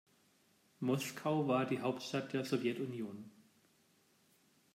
Moskau war die Hauptstadt der Sowjetunion.